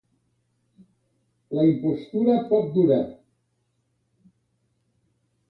La impostura poc dura.